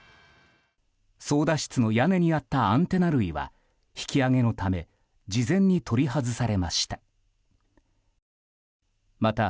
操舵室の屋根にあったアンテナ類は引き揚げのため事前に取り外されました。